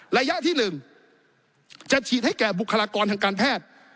ระยะที่๑จะฉีดให้แก่บุคลากรทางการแพทย์